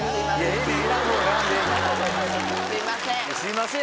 すいません。